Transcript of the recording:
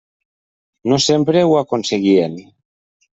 No sempre ho aconseguien.